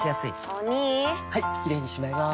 お兄はいキレイにしまいます！